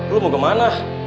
lu mau kemana